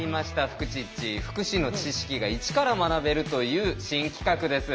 福祉の知識が一から学べるという新企画です。